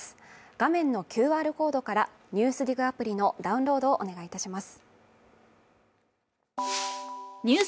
画面のＱＲコードから、「ＮＥＷＳＤＩＧ」アプリのダウンロードをお願いいたします。